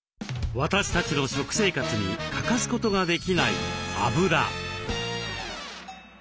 私たちの食生活に欠かすことができないあぶら。